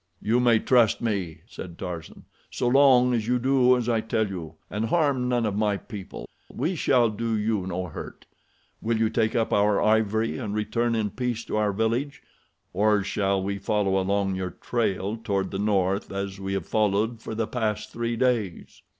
"You may trust me," said Tarzan. "So long as you do as I tell you, and harm none of my people, we shall do you no hurt. Will you take up our ivory and return in peace to our village, or shall we follow along your trail toward the north as we have followed for the past three days?"